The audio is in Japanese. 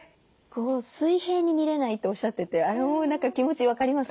水平に見れないとおっしゃっててあれも何か気持ち分かりますね。